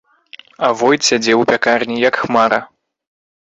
А войт сядзеў у пякарні, як хмара.